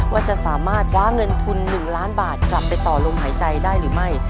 ว่าจะสามารถคว้าเงินทุน๑ล้านบาทกลับไปต่อลมหายใจได้หรือไม่